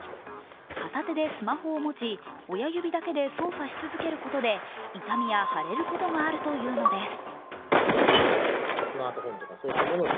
片手でスマホを持ち親指だけで操作し続けることで痛みや腫れることがあるというのです。